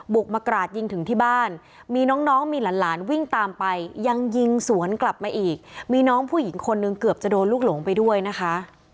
กมากราดยิงถึงที่บ้านมีน้องมีหลานวิ่งตามไปยังยิงสวนกลับมาอีกมีน้องผู้หญิงคนนึงเกือบจะโดนลูกหลงไปด้วยนะคะ